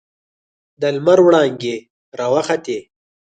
د لمر وړانګې راوخوتې.